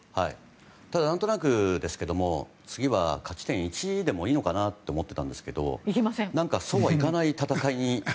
ただ何となくですけど次は勝ち点１でもいいのかなと思ってたんですけどそうはいかない戦いに。